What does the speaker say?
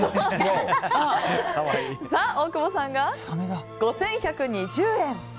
大久保さんが５１２０円。